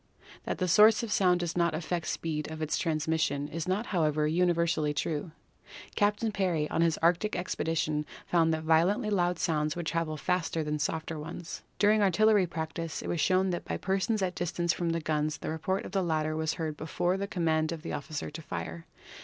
That the source of sound does not affect the speed of its transmission is not, however, universally true. Captain Parry, on his Arctic expedition, found that violently loud sounds would travel faster than softer ones. During artil lery practice it was shown that by persons at distance from the guns the report of the latter was heard before the command of the officer to fire.